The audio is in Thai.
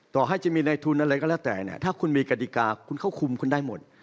ต่อให้จะมีในทุนอะไรก็แล้วแต่เนี่ยถ้าคุณมีกฎิกาคุณเข้าคุมคุณได้หมด